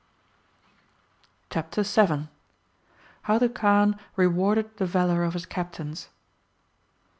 CHATTER VII. How THE Kaan rewarded the Valour of his Captains.